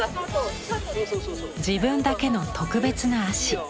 自分だけの特別な足。